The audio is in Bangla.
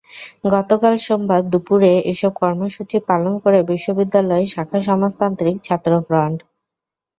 গতকাল সোমবার দুপুরে এসব কর্মসূচি পালন করে বিশ্ববিদ্যালয় শাখা সমাজতান্ত্রিক ছাত্রফ্রন্ট।